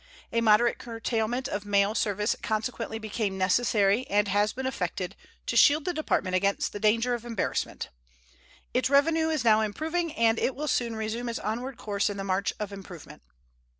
A moderate curtailment of mail service consequently became necessary, and has been effected, to shield the Department against the danger of embarrassment. Its revenue is now improving, and it will soon resume its onward course in the march of improvement.